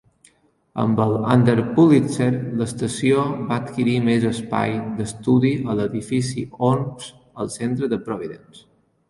Amb el Under Pulitzer, l"estació va adquirir més espai d"estudi a l"edifici Orms al centre de Providence.